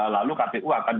lalu kpu akan